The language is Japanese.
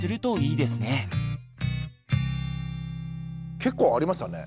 結構ありましたね。